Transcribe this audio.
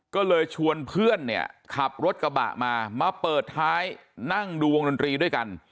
ก็เลยชวนเพื่อนเนี่ยขับรถกระบะมามาเปิดท้ายนั่งดูวงดนตรีด้วยกัน